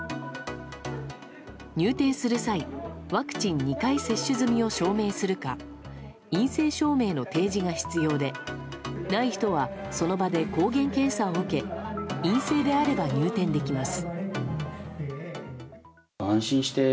入店する際、ワクチン２回接種済みを証明するか陰性証明の提示が必要でない人は、その場で抗原検査を受け陰性であれば入店できます。